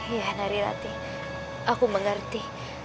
iya narirati aku mengerti